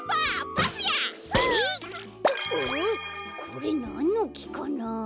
これなんのきかな？